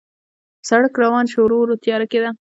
پر سړک روان شوو، ورو ورو تیاره کېده.